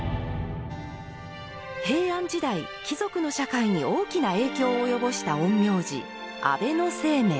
平安時代、貴族の社会に大きな影響を及ぼした陰陽師・安倍晴明。